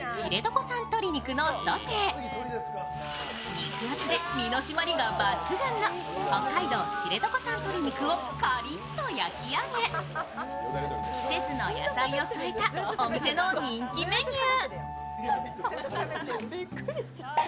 肉厚で身の締まりが抜群の北海道知床産鶏肉をカリッと焼き上げ季節の野菜を添えたお店の人気メニュー。